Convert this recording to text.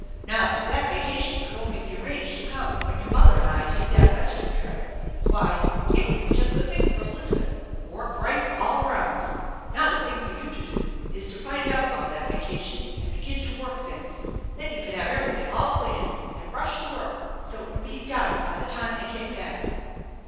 Now if that vacation could only be arranged to come when your mother and I take that Western trip, why, it would be just the thing for Elizabeth, work right all around. Now, the thing for you to do is to find out about that vacation, and begin to work things. Then you could have everything all planned, and rush the work so it would be done by the time they came back."